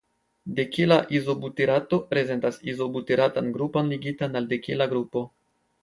Dekila izobuterato prezentas izobuteratan grupon ligitan al dekila grupo.